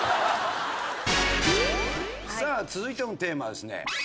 さあ続いてのテーマはですね